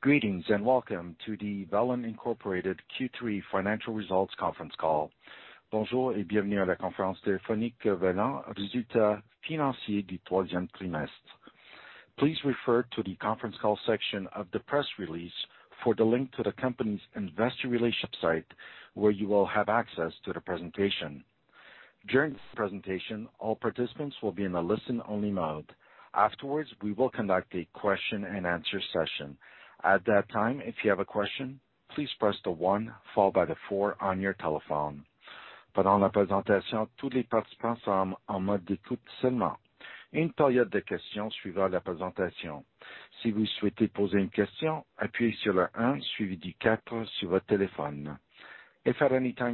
Greetings, welcome to the Velan Inc. Q3 Financial Results Conference Call. Please refer to the conference call section of the press release for the link to the company's investor relations site, where you will have access to the presentation. During the presentation, all participants will be in a listen-only mode. Afterwards, we will conduct a question-and-answer session. At that time, if you have a question, please press the 1 followed by the 4 on your telephone. If at any time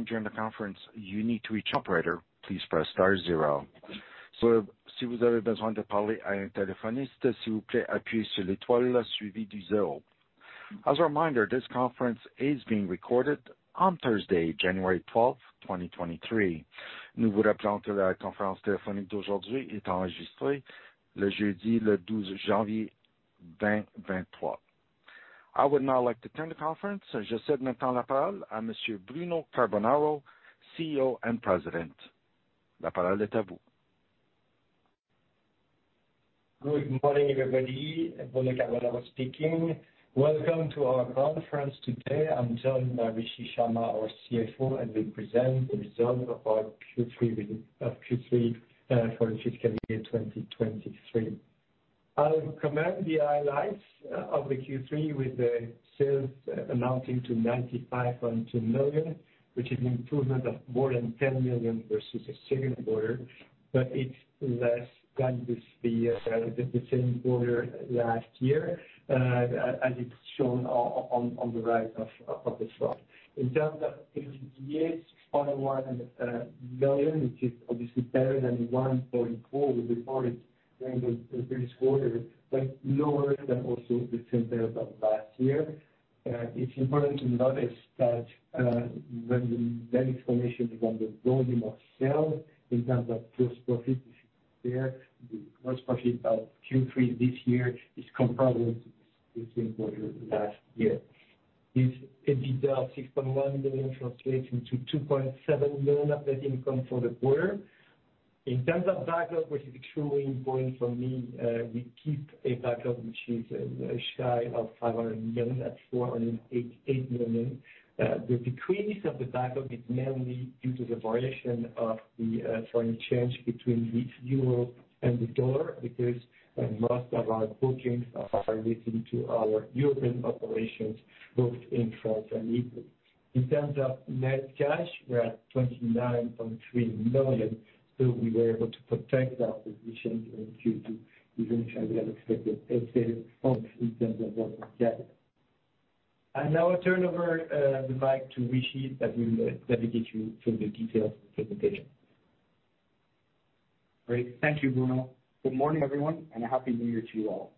during the conference you need to reach operator, please press star zero. As a reminder, this conference is being recorded on Thursday, January 12th, 2023. I would now like to turn the conference, Bruno Carbonaro, CEO and President. Good morning, everybody. Bruno Carbonaro speaking. Welcome to our conference today. I'm joined by Rishi Sharma, our CFO, as we present the results of our Q3 for the fiscal year 2023. I'll commence the highlights of the Q3 with the sales amounting to $95.2 million, which is an improvement of more than $10 million versus the second quarter, but it's less than the same quarter last year, as it's shown on the right of the slide. In terms of EBITDA, $6.1 million, which is obviously better than $1.4 million we reported during the previous quarter, but lower than also the same period of last year. It's important to notice that, when the main explanation is on the volume of sales in terms of gross profit is there. The gross profit of Q3 this year is comparable to the same quarter last year. This EBITDA of $6.1 million translates into $2.7 million operating income for the quarter. In terms of backlog, which is extremely important for me, we keep a backlog which is shy of $500 million, at $488 million. The decrease of the backlog is mainly due to the variation of the foreign change between the euro and the dollar because most of our bookings are related to our European operations, both in France and Italy. In terms of net cash, we're at $29.3 million, so we were able to protect our position in Q2 even if we have expected a sales bump in terms of working capital. I now turn over the mic to Rishi that will navigate you through the detailed presentation. Great. Thank you, Bruno. Good morning, everyone, and a happy new year to you all.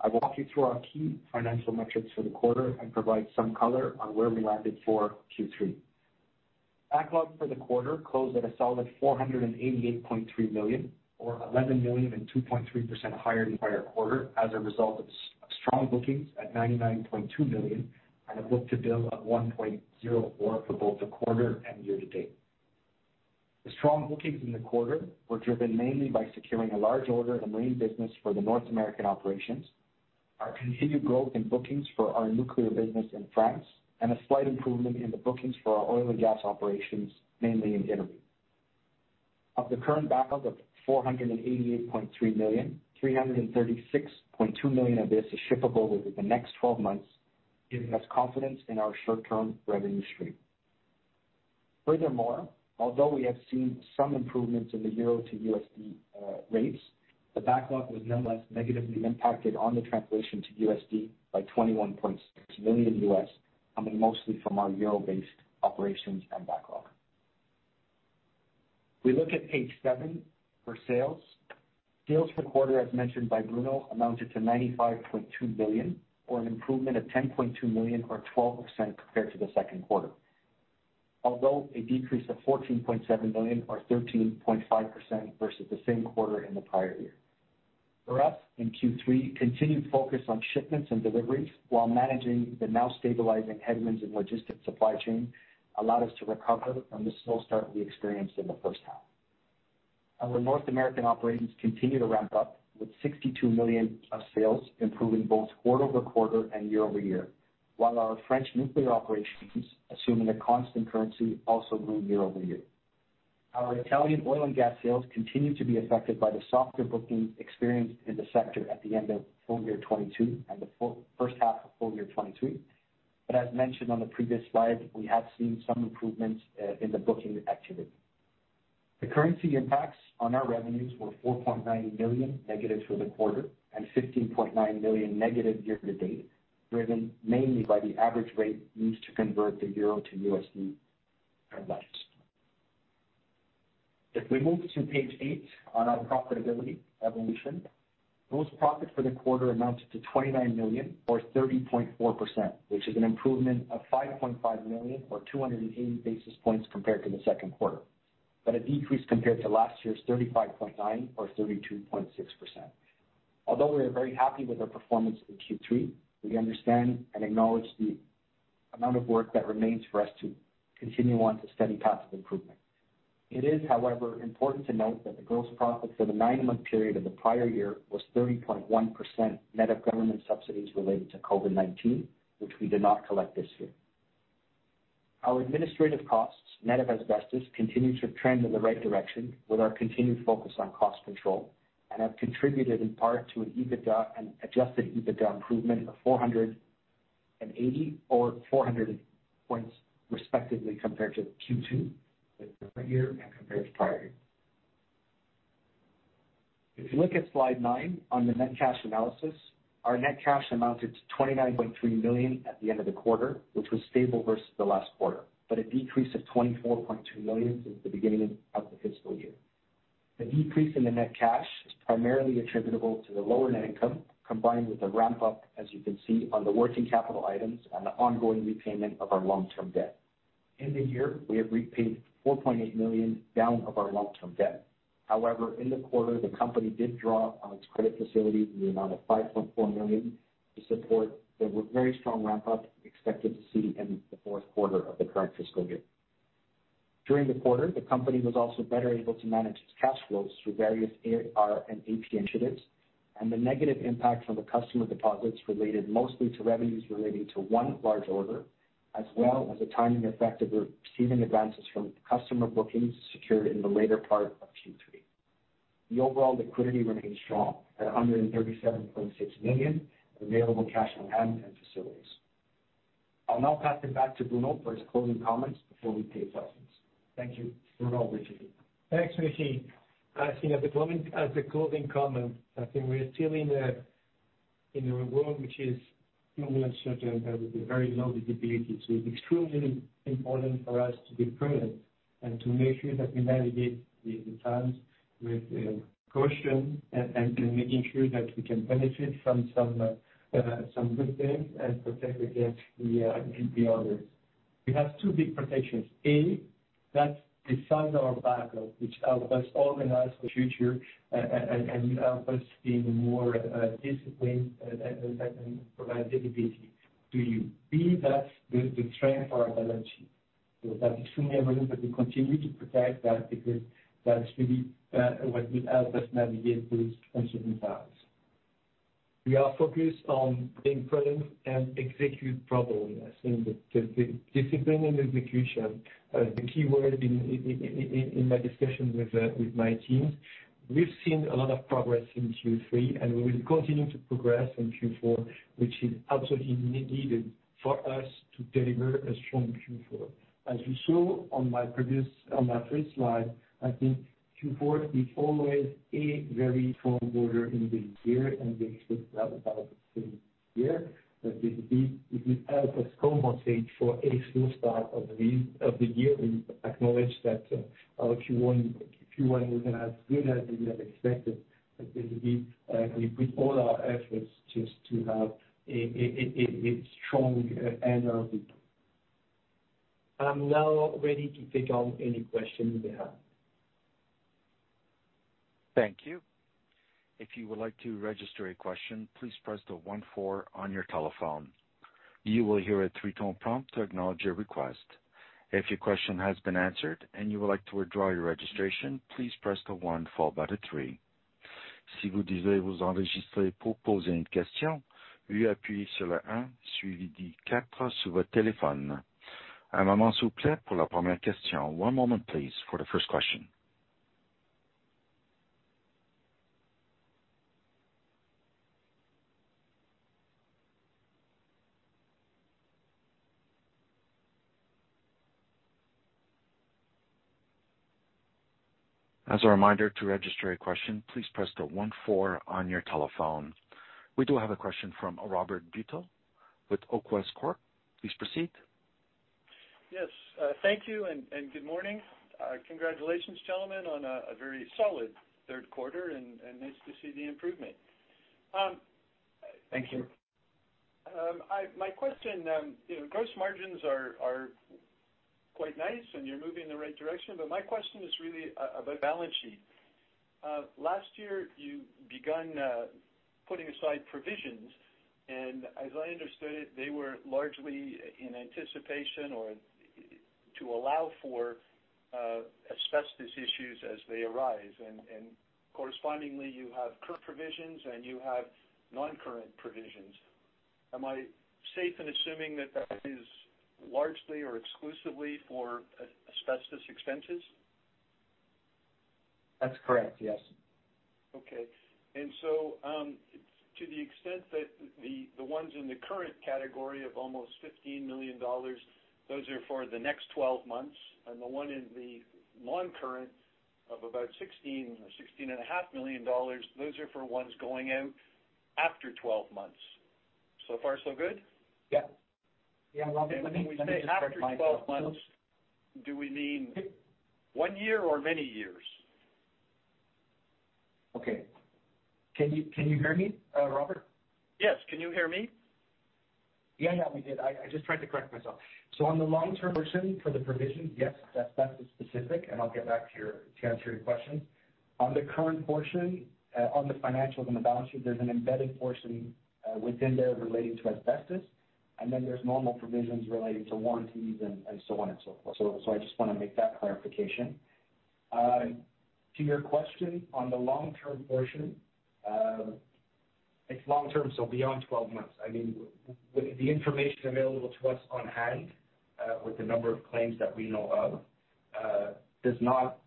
I'll walk you through our key financial metrics for the quarter and provide some color on where we landed for Q3. Backlog for the quarter closed at a solid $488.3 million or $11 million and 2.3% higher than prior quarter as a result of strong bookings at $99.2 million and a book-to-bill of 1.04 for both the quarter and year to date. The strong bookings in the quarter were driven mainly by securing a large order in the marine business for the North American operations, our continued growth in bookings for our nuclear business in France, and a slight improvement in the bookings for our oil and gas operations, mainly in Italy. Of the current backlog of $488.3 million, $336.2 million of this is shippable within the next 12 months, giving us confidence in our short-term revenue stream. Although we have seen some improvements in the euro to USD rates, the backlog was nonetheless negatively impacted on the translation to USD by $21.6 million, coming mostly from our euro-based operations and backlog. If we look at page 7 for sales. Sales for the quarter, as mentioned by Bruno, amounted to $95.2 million or an improvement of $10.2 million or 12% compared to the second quarter. A decrease of $14.7 million or 13.5% versus the same quarter in the prior year. For us, in Q3, continued focus on shipments and deliveries while managing the now stabilizing headwinds in logistics supply chain allowed us to recover from the slow start we experienced in the first half. Our North American operations continue to ramp up with $62 million of sales, improving both quarter-over-quarter and year-over-year, while our French nuclear operations, assuming a constant currency, also grew year-over-year. Our Italian oil and gas sales continue to be affected by the softer booking experienced in the sector at the end of full year 2022 and the first half of full year 2023. As mentioned on the previous slide, we have seen some improvements in the booking activity. The currency impacts on our revenues were $4.9 million negative for the quarter and $15.9 million negative year-to-date, driven mainly by the average rate used to convert the EUR to USD are less. If we move to page 8 on our profitability evolution. Gross profit for the quarter amounted to $29 million or 30.4%, which is an improvement of $5.5 million or 280 basis points compared to the second quarter. A decrease compared to last year's $35.9 million or 32.6%. We are very happy with our performance in Q3, we understand and acknowledge the amount of work that remains for us to continue on to steady path of improvement. It is, however, important to note that the Gross profits for the nine-month period of the prior year was 30.1% net of government subsidies related to COVID-19, which we did not collect this year. Our administrative costs, net of asbestos, continue to trend in the right direction with our continued focus on cost control, and have contributed in part to an EBITDA and Adjusted EBITDA improvement of 480 or 400 points, respectively, compared to Q2 of the current year and compared to prior year. If you look at slide 9 on the net cash analysis, our net cash amounted to $29.3 million at the end of the quarter, which was stable versus the last quarter, but a decrease of $24.2 million since the beginning of the fiscal year. The decrease in the net cash is primarily attributable to the lower net income, combined with the ramp-up, as you can see, on the working capital items and the ongoing repayment of our long-term debt. In the year, we have repaid $4.8 million down of our long-term debt. In the quarter, the company did draw on its credit facility in the amount of $5.4 million to support the very strong ramp up expected to see in the fourth quarter of the current fiscal year. During the quarter, the company was also better able to manage its cash flows through various AR and AP initiatives and the negative impact from the customer deposits related mostly to revenues relating to one large order, as well as the timing effect of receiving advances from customer bookings secured in the later part of Q3. The overall liquidity remains strong at $137.6 million available cash on hand and facilities. I'll now pass it back to Bruno for his closing comments before we take questions. Thank you. Bruno, over to you. Thanks, Rishi. I think as a closing comment, I think we are still in a world which is full of uncertainty and with a very low visibility. It's extremely important for us to be prudent and to make sure that we navigate the times with caution and making sure that we can benefit from some good things and protect against the others. We have two big protections. A, that's the size of our backlog, which help us organize the future and help us being more disciplined and provide visibility to you. B, that's the strength of our balance sheet. That's extremely relevant, but we continue to protect that because that's really what will help us navigate these uncertain times. We are focused on being prudent and execute properly. I think the discipline and execution are the key word in my discussion with my teams. We've seen a lot of progress in Q3, we will continue to progress in Q4, which is absolutely needed for us to deliver a strong Q4. As you saw on my first slide, I think Q4 is always a very strong quarter in the year, we expect that about the same here. This will help us compensate for a slow start of the year. We acknowledge that Q1 wasn't as good as we had expected. We put all our efforts just to have a strong end of the year. I'm now ready to take on any questions you have. Thank you. If you would like to register a question, please press the 1 4 on your telephone. You will hear a 3-tone prompt to acknowledge your request. If your question has been answered and you would like to withdraw your registration, please press the 1 followed by the 3. One moment, please, for the first question. As a reminder, to register a question, please press the 1 4 on your telephone. We do have a question from Robert Bito with Acquest Corp. Please proceed. Yes. thank you and good morning. congratulations, gentlemen, on a very solid third quarter and nice to see the improvement. Thank you. My question, you know, gross margins are quite nice, and you're moving in the right direction, but my question is really about balance sheet. Last year you begun putting aside provisions, and as I understood it, they were largely in anticipation or to allow for asbestos issues as they arise. Correspondingly, you have current provisions, and you have non-current provisions. Am I safe in assuming that that is largely or exclusively for asbestos expenses? That's correct, yes. Okay. To the extent that the ones in the current category of almost $15 million, those are for the next 12 months, and the one in the non-current of about $16 and a half million dollars, those are for ones going out after 12 months. So far so good? Yeah, Robert. When we say after 12 months, do we mean one year or many years? Okay. Can you hear me, Robert? Yes. Can you hear me? Yeah. Yeah, we did. I just tried to correct myself. On the long-term portion for the provision, yes, that's specific, and I'll get back to answer your question. On the current portion, on the financials, on the balance sheet, there's an embedded portion within there relating to asbestos, and then there's normal provisions relating to warranties and so on and so forth. I just wanna make that clarification. To your question on the long-term portion, it's long-term, so beyond 12 months. I mean, with the information available to us on hand, with the number of claims that we know of, does not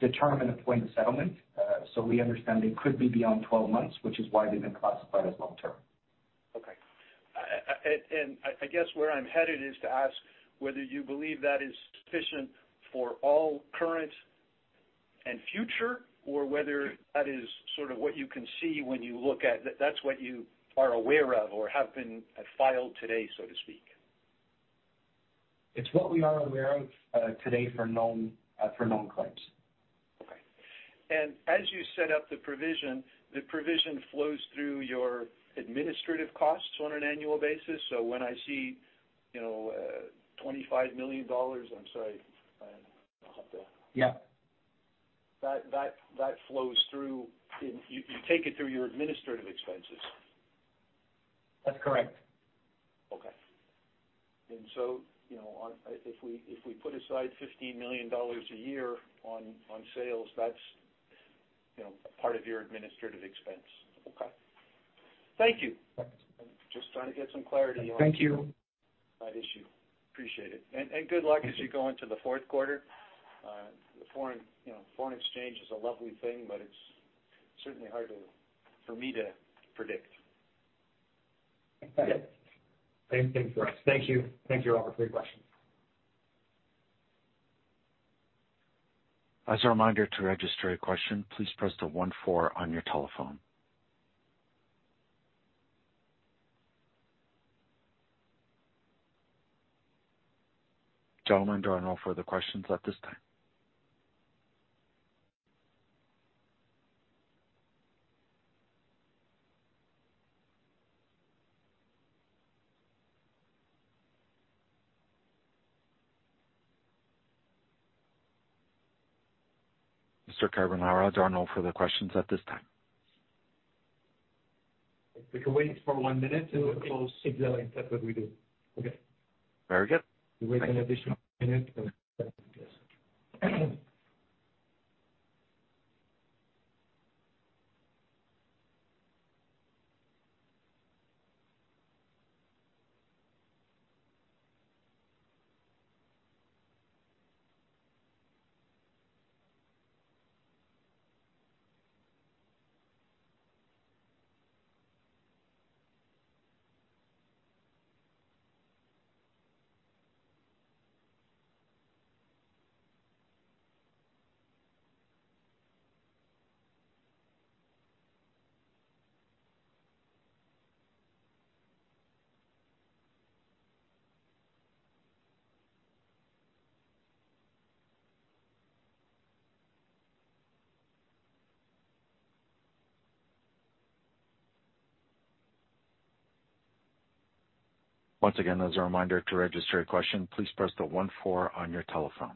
determine a point of settlement. We understand it could be beyond 12 months, which is why they've been classified as long term. Okay. I guess where I'm headed is to ask whether you believe that is sufficient for all current and future or whether that is sort of what you can see when you look at. That's what you are aware of or have been filed today, so to speak. It's what we are aware of today for known for known claims. Okay. As you set up the provision, the provision flows through your administrative costs on an annual basis. When I see, you know, $25 million. I'm sorry. Yeah. That flows through in. You take it through your administrative expenses. That's correct. Okay. you know, if we put aside $15 million a year on sales, that's, you know, a part of your administrative expense. Okay. Thank you. Thanks. Just trying to get some clarity on-. Thank you. That issue. Appreciate it. Good luck as you go into the fourth quarter. you know, foreign exchange is a lovely thing, but it's certainly hard for me to predict. Same thing for us. Thank you. Thank you, Robert, for your question. As a reminder to register a question, please press the 1,4 on your telephone. Gentlemen, there are no further questions at this time. Mr. Carbonaro, there are no further questions at this time. We can wait for one minute to close if that's what we do. Okay. Very good. We wait an additional minute. Once again, as a reminder to register a question, please press the one four on your telephone.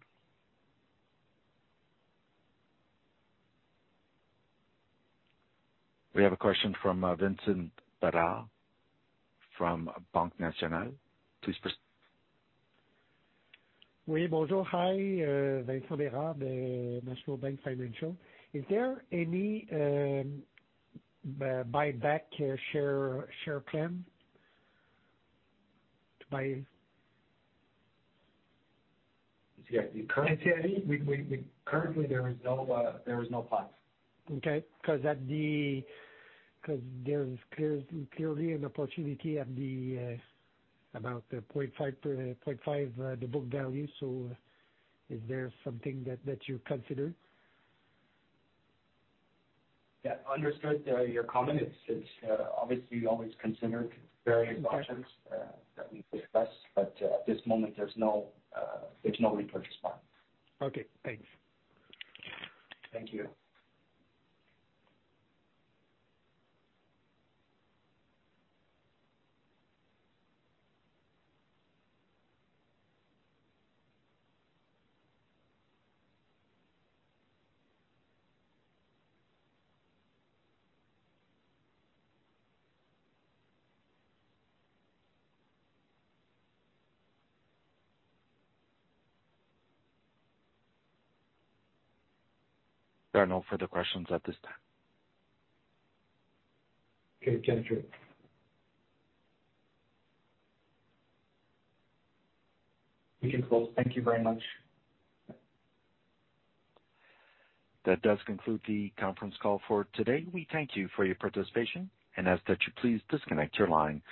We have a question from Vincent Berard from Banque Nationale. Please press... Hi, Vincent Berard, the National Bank Financial. Is there any buyback share plan to buy? Yeah. I can't hear you. Currently there is no, there is no plan. Okay. 'Cause there's clearly an opportunity at the about the 0.5 the book value. Is there something that you consider? Yeah. Understood, your comment. It's obviously always considered various options... Okay. That we discuss, but, at this moment there's no, there's no repurchase plan. Okay, thanks. Thank you. There are no further questions at this time. Okay. Thank you. We can close. Thank you very much. That does conclude the conference call for today. We thank you for your participation and ask that you please disconnect your line.